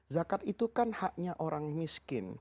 zakat itu kan haknya orang miskin